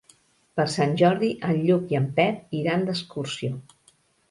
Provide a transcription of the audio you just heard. Per Sant Jordi en Lluc i en Pep iran d'excursió.